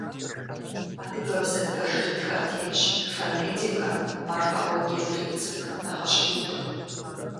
Адыгэбзэ пэжырытхэр тетщ фонетикэ, морфологие принцип нэхъыщхьитӏым.